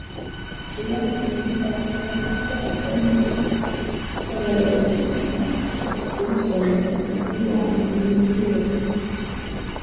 Tewali kubuusabuusa lwaki abasomesa abasinga balwettanira okulusomesa, okuluwandiika n'okulwogera.